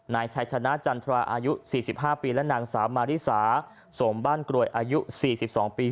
นายชายชนะจันทราอายุสี่สิบห้าปีและนางสาวมาริสาสมบ้านกรวยอายุสี่สิบสองปี